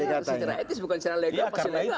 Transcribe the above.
saya bilangnya secara etik bukan secara legal pasti legal